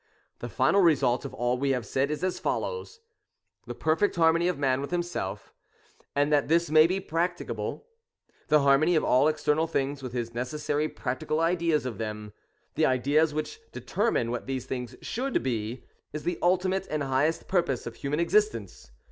The final result of all we have said is as follows :— The perfect harmony of man with himself, — and that this may be practicable, the harmony of all external things with his necessary practical ideas of them, — the ideas which deter mine what these things should be; — this is the ultimate and highest purpose of human existence.